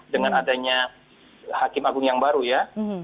dengan adanya hakim agung yang baru ya